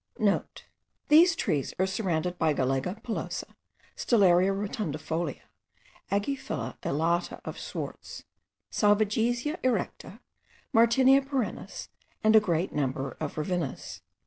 *(* These trees are surrounded by Galega pilosa, Stellaria rotundifolia, Aegiphila elata of Swartz, Sauvagesia erecta, Martinia perennis, and a great number of Rivinas.